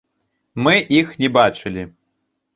Мы іх не бачылі.